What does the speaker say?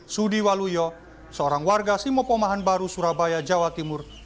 sudi waluyo seorang warga simopomahan baru surabaya jawa timur